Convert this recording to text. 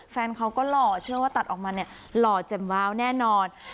แฟนเขาก็หล่อเชื่อว่าตัดออกมาเนี่ยหล่อแจ่มว้าวแน่นอน